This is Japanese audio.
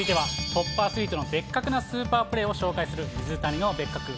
トップアスリートの別格なスーパープレーを紹介する、水谷のベッカク。